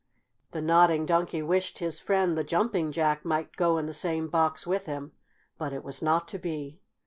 The Nodding Donkey wished his friend the Jumping Jack might go in the same box with him, but it was not to be.